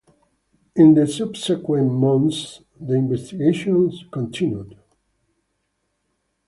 In the subsequent months, the investigation continued.